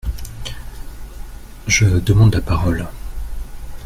Je demande la parole…